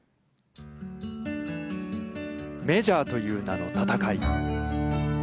メジャーという名の戦い。